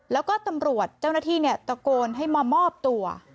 แล้วก็ตำรวจเจ้าหน้าที่ตะโกนให้มามอบตัว